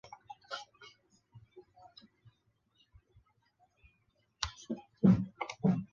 兵库县神户市出身。